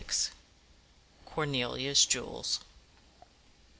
CORNELIA'S JEWELS.